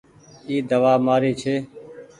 اي دوآ مآري ڇي۔